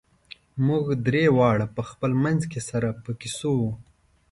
موږ درې واړه په خپل منځ کې سره په کیسو وو.